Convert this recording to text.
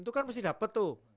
itu kan mesti dapat tuh